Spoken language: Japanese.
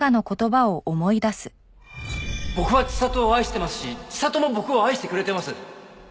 僕は知里を愛してますし知里も僕を愛してくれてます。